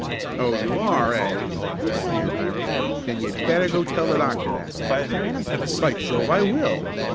"Oh, you are; eh?" sneered Hiram. "Then you'd better go tell the doctor that." "By Jove I will!"